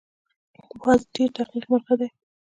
باز ډېر دقیق مرغه دی